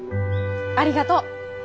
ありがとう！